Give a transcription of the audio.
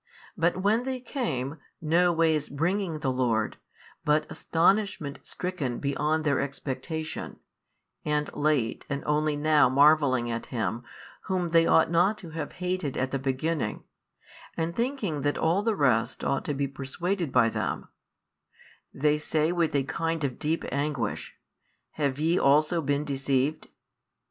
But when they came, no ways bringing the Lord, but astonishment stricken beyond their expectation, and late and only now marvelling at Him Whom they ought not to have hated at the beginning, and thinking that all the rest ought to be persuaded by them: they say with a kind of deep anguish, Have YE also been deceived?